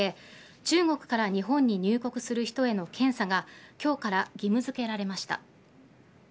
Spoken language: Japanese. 中国から日本に入国する人への検査が今日から義務付けられました。